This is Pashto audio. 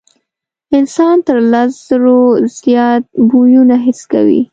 انسان تر لس زرو زیات بویونه حس کوي.